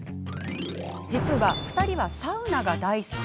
実は２人はサウナが大好き。